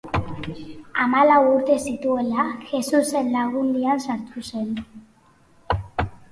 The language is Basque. Hamalau urte zituela Jesusen Lagundian sartu zen.